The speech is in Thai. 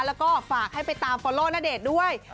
แล้วก็ฝากให้ไปตามฟอลโลณเดชน์ด้วย